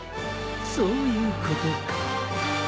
そういうことか。